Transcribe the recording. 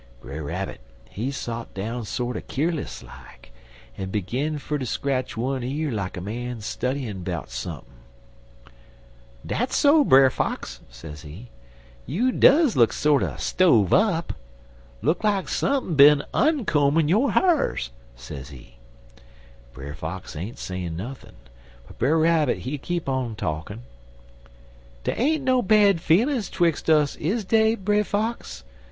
"Brer Rabbit, he sot down sorter keerless like, en begin fer ter scratch one year like a man studyin' 'bout sump'n. "'Dat's so, Brer Fox,' sezee, 'you duz look sorter stove up. Look like sump'n bin onkoamin' yo' ha'rs,' sezee. "Brer Fox ain't sayin' nothin', but Brer Rabbit, he keep on talkin': "'Dey ain't no bad feelin's 'twix' us, is dey, Brer Fox?